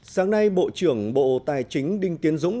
sáng nay bộ trưởng bộ tài chính đinh tiến dũng